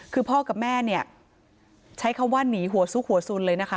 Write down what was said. คือพ่อกับแม่เนี่ยใช้คำว่าหนีหัวซุกหัวสุนเลยนะคะ